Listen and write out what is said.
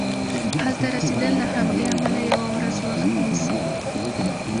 هلته رسیدل له همدې امله یوه ورځ وخت نیسي.